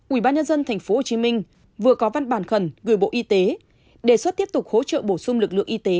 ủy ban nhân dân tp hcm vừa có văn bản khẩn gửi bộ y tế đề xuất tiếp tục hỗ trợ bổ sung lực lượng y tế